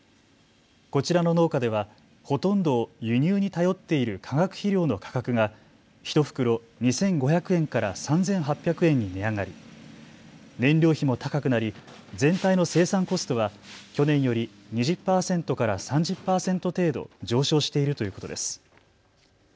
こちらの農家ではほとんどを輸入に頼っている化学肥料の価格が１袋２５００円から３８００円に値上がり、燃料費も高くなり全体の生産コストは去年より２０％から３０％程度上昇しているということです。